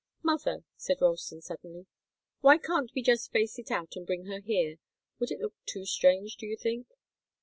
"Mother," said Ralston, suddenly, "why can't we just face it out and bring her here? Would it look too strange, do you think?"